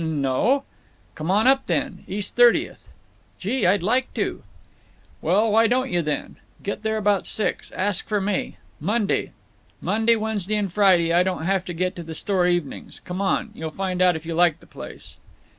"N no." "Come on up then——East Thirtieth." "Gee, I'd like to!" "Well, why don't you, then? Get there about six. Ask for me. Monday. Monday, Wednesday, and Friday I don't have to get to the store evenings. Come on; you'll find out if you like the place."